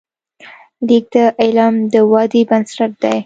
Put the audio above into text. لیک د علم د ودې بنسټ دی.